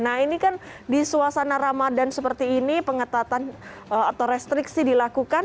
nah ini kan di suasana ramadan seperti ini pengetatan atau restriksi dilakukan